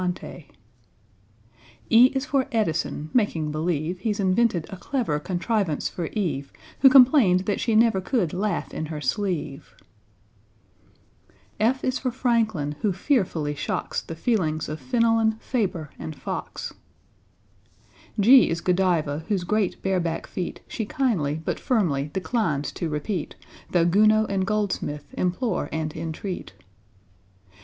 =E= is for =E=dison, making believe He's invented a clever contrivance for =E=ve, Who complained that she never could laugh in her sleeve. =F= is for =F=ranklin, who fearfully shocks The feelings of =F=enelon, =F=aber, and =F=ox. =G= is =G=odiva, whose great bareback feat She kindly but firmly declines to repeat, Though =G=ounod and =G=oldsmith implore and entreat.